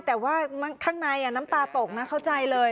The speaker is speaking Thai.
แต่ว่าข้างในน้ำตาตกนะเข้าใจเลย